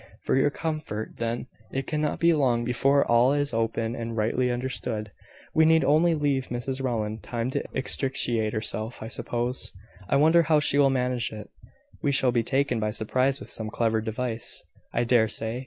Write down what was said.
"For your comfort, then, it cannot be long before all is open and rightly understood. We need only leave Mrs Rowland time to extricate herself, I suppose. I wonder how she will manage it." "We shall be taken by surprise with some clever device, I dare say.